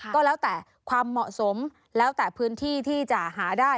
ก็แล้วแต่ความเหมาะสมแล้วแต่พื้นที่ที่จะหาได้